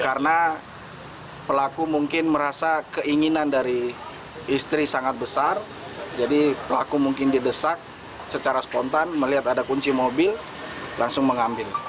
karena pelaku mungkin merasa keinginan dari istri sangat besar jadi pelaku mungkin didesak secara spontan melihat ada kunci mobil langsung mengambil